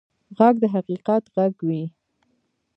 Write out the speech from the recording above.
غږ د حقیقت غږ وي